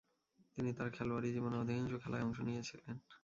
তিনি তার খেলোয়াড়ী জীবনের অধিকাংশ খেলায় অংশ নিয়েছিলেন।